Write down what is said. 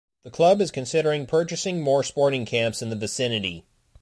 The Club is considering purchasing more sporting camps in the vicinity.